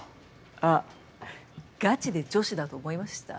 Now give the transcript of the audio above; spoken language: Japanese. あっガチで女子だと思いました？